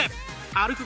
歩く